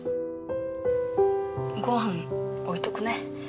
ごはん置いとくね。